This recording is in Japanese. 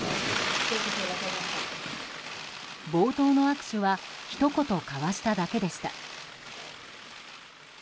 冒頭の握手はひと言交わしただけでした。